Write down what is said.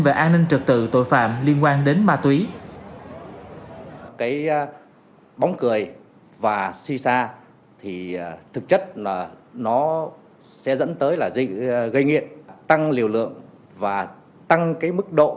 về an ninh trực tự tội phạm liên quan đến ma túy